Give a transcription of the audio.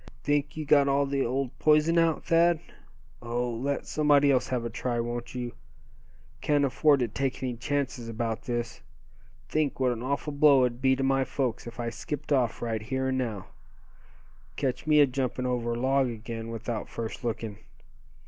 "Think you got all the old poison out, Thad? Oh! let somebody else have a try, won't you? Can't afford to take any chances about this. Think what an awful blow it'd be to my folks if I skipped off right here and now. Ketch me a jumpin' over a log again without first lookin'.